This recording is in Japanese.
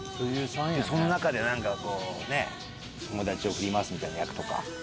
その中で友達を振り回すみたいな役とか。